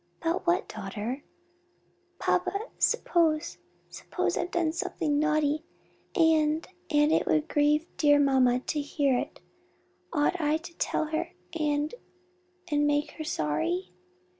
"About what, daughter?" "Papa, s'pose s'pose I'd done something naughty, and and it would grieve dear mamma to hear it; ought I to tell her and and make her sorry?"